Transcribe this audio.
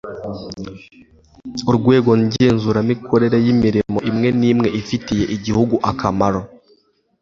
urwego ngenzuramikorere y'imirimo imwe n'imwe ifitiye igihugu akamaro